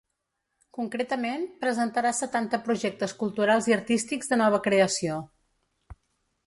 Concretament, presentarà setanta projectes culturals i artístics de nova creació.